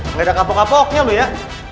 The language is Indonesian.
nggak ada kapok kapoknya loh ya